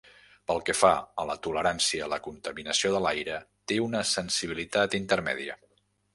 Pel que fa a la tolerància a la contaminació de l'aire té una sensibilitat intermèdia.